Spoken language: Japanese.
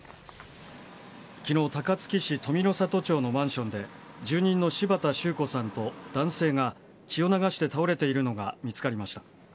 きのう、高槻市登美の里町のマンションで、住人の柴田周子さんと男性が、血を流して倒れているのが見つかりました。